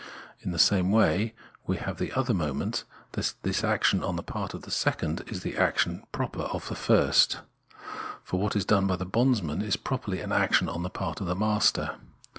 In the same way we have the other moment, that this action on the part of the second is the action proper of the first ; for what 184 Phenomenology of Mind is done by the bondsman is properly an action on tlie part of the master.